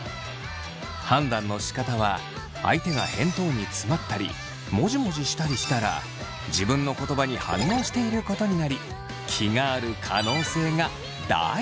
判断のしかたは相手が返答に詰まったりもじもじしたりしたら自分の言葉に反応していることになり気がある可能性が大。